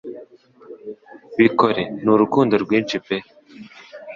Bikore. N'urukundo rwinshi pe